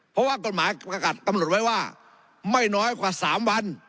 เพราะว่ากฎหมายประกาศกำหนดไว้ว่าไม่น้อยกว่า๓วัน